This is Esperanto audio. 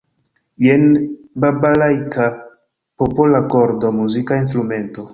Jen "balalajka", popola korda muzika instrumento.